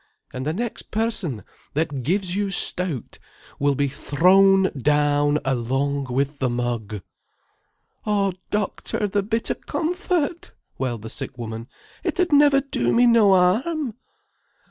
"And the next person that gives you stout will be thrown down along with the mug." "Oh doctor, the bit o' comfort!" wailed the sick woman. "It ud never do me no harm."